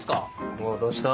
おうどうした？